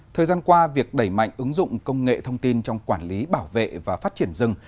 thời gian qua việc đẩy mạnh ứng dụng công nghệ thông tin trong quản lý bảo vệ và phát triển rừng